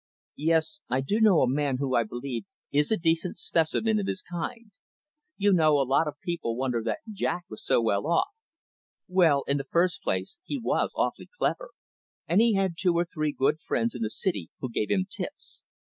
"Yes, I do know a man who, I believe, is a decent specimen of his kind. You know, a lot of people wonder that Jack was so well off. Well, in the first place, he was awfully clever, and he had two or three good friends in the City who gave him tips.